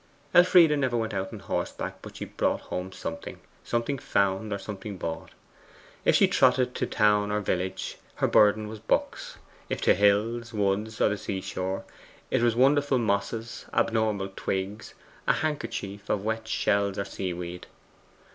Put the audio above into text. Elfride never went out on horseback but she brought home something something found, or something bought. If she trotted to town or village, her burden was books. If to hills, woods, or the seashore, it was wonderful mosses, abnormal twigs, a handkerchief of wet shells or seaweed.